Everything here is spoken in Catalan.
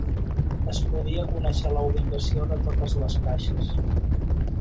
Es podia conèixer la ubicació de totes les caixes.